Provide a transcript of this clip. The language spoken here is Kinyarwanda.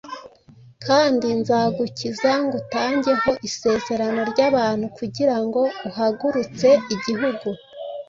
kandi nzagukiza ngutange ho isezerano ry’abantu, kugira ngo uhagurutse igihugu,